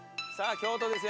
京都ですよ